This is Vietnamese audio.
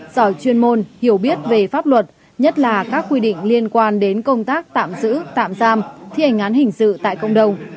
giỏi chuyên môn hiểu biết về pháp luật nhất là các quy định liên quan đến công tác tạm giữ tạm giam thi hành án hình sự tại cộng đồng